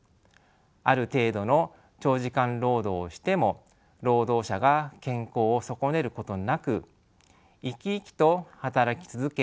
ある程度の長時間労働をしても労働者が健康を損ねることなく生き生きと働き続け